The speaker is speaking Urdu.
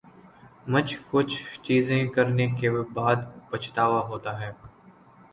مچھ کچھ چیزیں کرنے کے بعد پچھتاوا ہوتا ہے